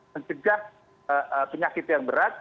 mencegah penyakit yang berat